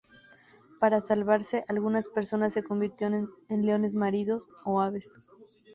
Para salvarse, algunas personas se convirtieron en leones marinos o aves.